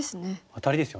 アタリですよね。